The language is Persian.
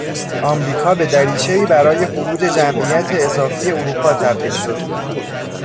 امریکا به دریچهای برای خروج جمعیت اضافی اروپا تبدیل شد.